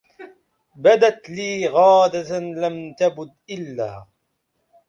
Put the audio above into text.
بدت لي غادة لم تبد إلا